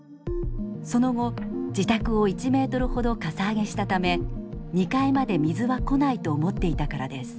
その後自宅を１ｍほどかさ上げしたため２階まで水は来ないと思っていたからです。